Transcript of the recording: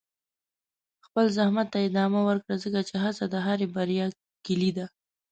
خپل زحمت ته ادامه ورکړه، ځکه چې هڅه د هرې بریا کلي ده.